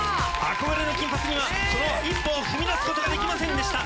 憧れの金髪にはその一歩を踏み出すことができませんでした。